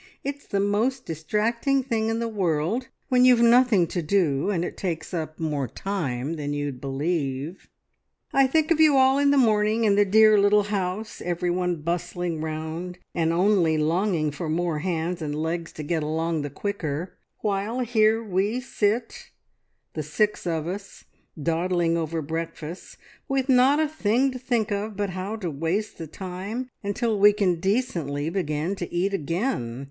It's the most distracting thing in the world when you've nothing to do, and takes up more time than you'd believe. I think of you all in the morning in the dear little house, every one bustling round, and only longing for more hands and legs to get along the quicker, while here we sit, the six of us, dawdling over breakfast, with not a thing to think of but how to waste the time until we can decently begin to eat again!